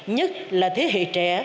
nhất là thế hệ trẻ